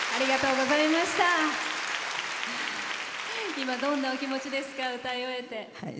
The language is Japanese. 今、どんなお気持ちですか歌い終えて。